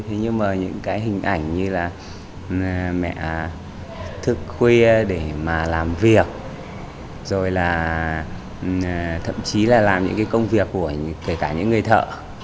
thế nhưng mà những cái hình ảnh như là mẹ thực quê để mà làm việc rồi là thậm chí là làm những cái công việc của kể cả những người thợ